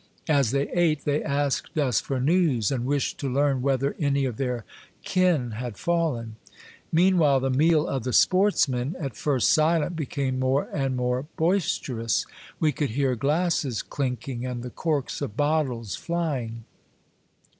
As they ate they asked us for news, and wished to learn whether any of their kin had fallen. Meanwhile the meal of the sportsmen, at first silent, became more and more boisterous ; we could hear glasses clinking and the corks of bottles flying.